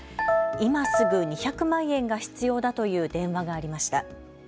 今すぐ２００万円が必要だという電話がありました。